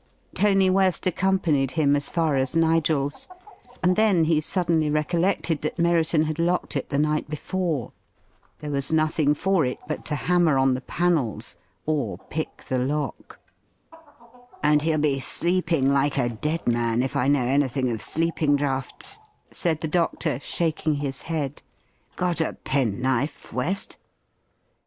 Tony West accompanied him as far as Nigel's, and then he suddenly recollected that Merriton had locked it the night before. There was nothing for it but to hammer upon the panels, or pick the lock. "And he'll be sleeping like a dead man, if I know anything of sleeping draughts," said the doctor, shaking his head. "Got a penknife, West?"